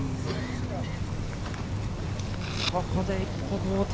ここで一歩後退。